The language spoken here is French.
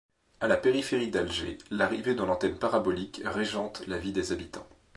À la périphérie d'Alger, l'arrivée de l'antenne parabolique régente la vie des habitants.